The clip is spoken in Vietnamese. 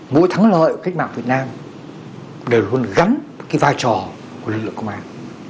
mỗi tháng lợi khách mạng việt nam đều luôn gắn cái vai trò của lực lượng công an